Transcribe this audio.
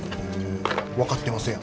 分かってますやん。